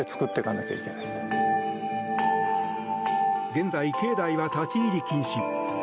現在、境内は立ち入り禁止。